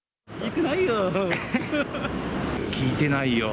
聞いてないよォ。